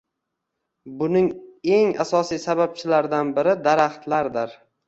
Buning eng asosiy sababchilardan biri daraxtlardir